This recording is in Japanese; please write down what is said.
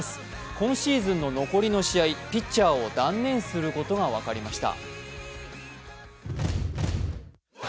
今シーズンの残りの試合、ピッチャーを断念することが分かりました。